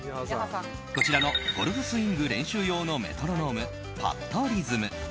こちらのゴルフスイング練習用のメトロノーム、パットリズム。